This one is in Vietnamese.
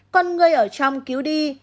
còn người ở trong cứu đi